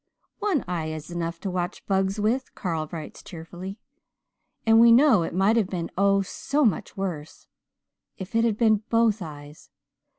"'One eye is enough to watch bugs with,' Carl writes cheerfully. And we know it might have been oh so much worse! If it had been both eyes!